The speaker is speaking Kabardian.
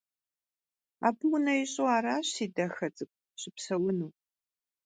Abı vune yiş'u araş, si daxe ts'ık'u, şıpseunu.